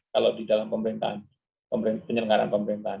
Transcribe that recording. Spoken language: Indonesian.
kalau di dalam penyelenggaraan pemerintahan